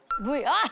あっ。